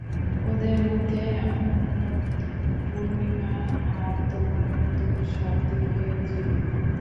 ওদের মধ্যে, আমার বন্ধু পূর্ণিমা আর তোমার বন্ধু স্বাতীকে চিনি।